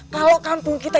kalau kampung kita